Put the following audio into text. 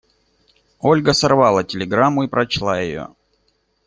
Ольга сорвала телеграмму и прочла ее.